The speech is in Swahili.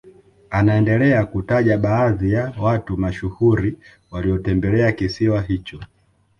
Anaendelea kutaja baadhi ya watu mashuhuri waliotembelea kisiwa hicho